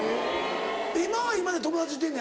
今は今で友達いてんねやろ？